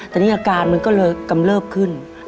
แต่นี่อาการมันก็เลยกำเริบขึ้น